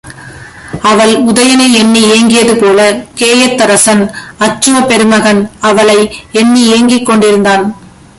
அவள் உதயணனை எண்ணி ஏங்கியதுபோல் கேகயத்தரசன் அச்சுவப் பெருமகன் அவளை எண்ணி ஏங்கிக் கொண்டிருந்தான்.